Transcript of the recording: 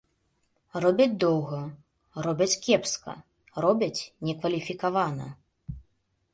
Робяць доўга, робяць кепска, робяць некваліфікавана.